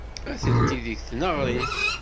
Atenti deg tneɣrit.